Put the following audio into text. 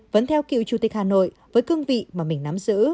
vẫn theo cựu chủ tịch hà nội với cương vị mà mình nắm giữ